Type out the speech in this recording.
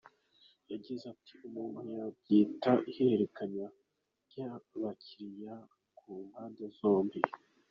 Yagize ati ‘‘Umuntu yabyita ihererekanya ry’abakiliya ku mpande zombi.